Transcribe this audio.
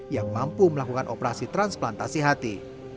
yang mampu melakukan operasi transplantasi hati